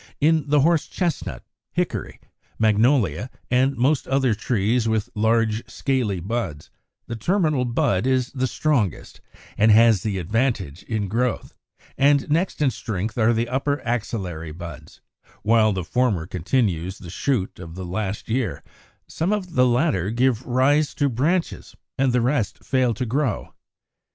In the Horse chestnut (Fig. 72), Hickory (Fig. 73), Magnolia, and most other trees with large scaly buds, the terminal bud is the strongest, and has the advantage in growth; and next in strength are the upper axillary buds: while the former continues the shoot of the last year, some of the latter give rise to branches, and the rest fail to grow.